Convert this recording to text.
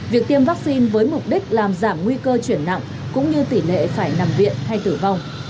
việc tiêm vaccine với mục đích làm giảm nguy cơ chuyển nặng cũng như tỷ lệ phải nằm viện hay tử vong